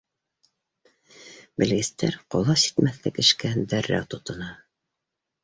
Белгестәр ҡолас етмәҫлек эшкә дәррәү тотона.